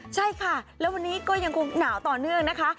ใช่ค่ะแล้ววันนี้ก็ยังคงหนาวต่อเนื่องนะคะ